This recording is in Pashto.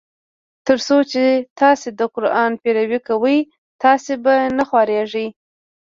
تر څو چي تاسي د قرآن پیروي کوی تاسي به نه خوارېږی.